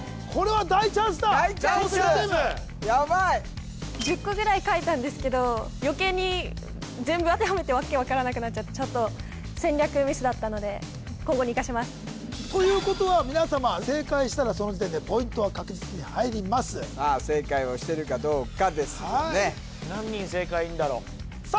ヤバい１０個ぐらい書いたんですけど余計に全部当てはめて訳分からなくなっちゃってちょっとだったので今後に生かしますということは皆様正解したらその時点でポイントは確実に入りますさあ正解をしてるかどうかですよね何人正解いんだろさあ